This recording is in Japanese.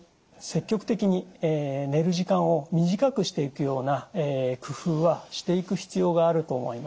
積極的に寝る時間を短くしていくような工夫はしていく必要があると思います。